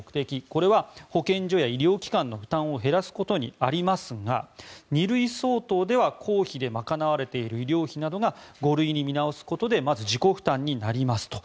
これは保健所や医療機関の負担を減らすことにありますが２類相当では公費で賄われている医療費などが５類に見直すことでまず自己負担になりますと。